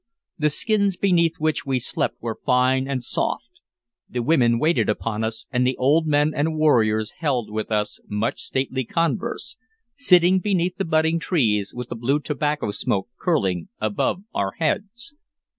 The skins beneath which we slept were fine and soft; the women waited upon us, and the old men and warriors held with us much stately converse, sitting beneath the budding trees with the blue tobacco smoke curling above our heads.